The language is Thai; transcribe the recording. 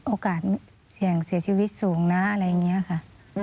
โอกาสเสี่ยงเสียชีวิตสูงนะอะไรอย่างนี้ค่ะ